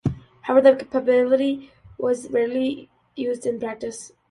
However, the capability was rarely used in practice.